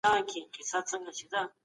خصوصي سکتور خپل تولیدات بهر ته هم لیږل.